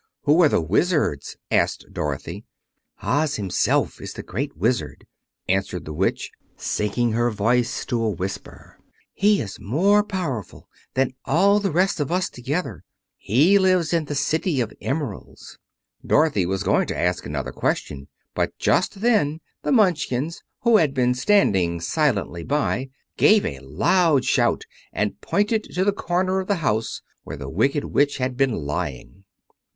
"Who are the wizards?" asked Dorothy. "Oz himself is the Great Wizard," answered the Witch, sinking her voice to a whisper. "He is more powerful than all the rest of us together. He lives in the City of Emeralds." Dorothy was going to ask another question, but just then the Munchkins, who had been standing silently by, gave a loud shout and pointed to the corner of the house where the Wicked Witch had been lying.